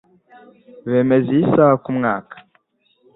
Bemeza iyi saha kumwaka.